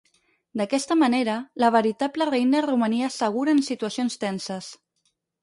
D'aquesta manera la veritable reina romania segura en situacions tenses.